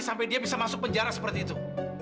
sampai dia bisa masuk penjara seperti itu